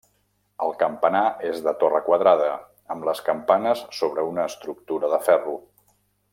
El campanar és de torre quadrada, amb les campanes sobre una estructura de ferro.